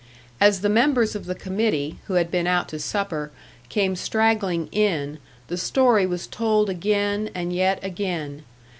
As the members of the committee, who had been out to supper, came straggling in, the story was told again, and yet again.